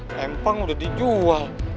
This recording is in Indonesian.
lempang udah dijual